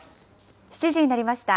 ７時になりました。